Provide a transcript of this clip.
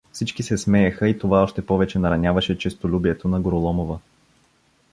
Всички се смееха и това още повече нараняваше честолюбието на Гороломова.